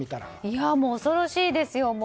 いやもう、恐ろしいですよ。